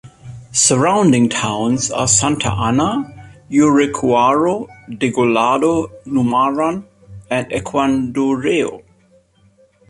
Surrounding towns are Santa Ana, Yurecuaro, Degollado, Numaran, and Ecuandureo.